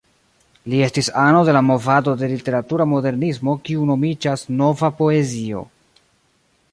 Li estis ano de la movado de literatura modernismo kiu nomiĝas "Nova Poezio".